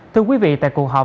thưa quý vị tại cuộc họp